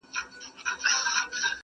له خپل یار سره روان سو دوکاندار ته-